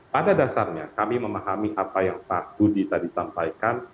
pada dasarnya kami memahami apa yang pak budi tadi sampaikan